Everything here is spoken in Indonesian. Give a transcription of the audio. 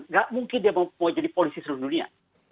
nggak mungkin dia mau jadi polisi seluruh dunia